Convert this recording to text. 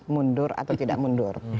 mundur atau tidak mundur